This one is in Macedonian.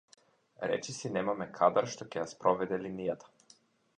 Речиси немаме кадар што ќе ја спроведе линијата.